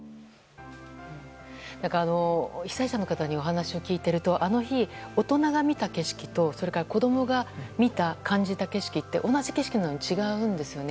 被災者の方にお話を聞いているとあの日、大人が見た景色とそれから子供が見た、感じた景色って同じ景色なのに違うんですよね。